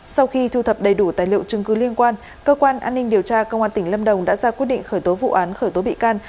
sau khi thu thập đầy đủ tài liệu chứng cứ liên quan cơ quan an ninh điều tra công an tỉnh lâm đồng đã ra quyết định khởi tố vụ án khởi tố bị can